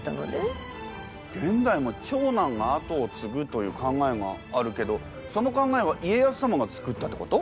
現代も長男があとを継ぐという考えがあるけどその考えは家康様が作ったってこと？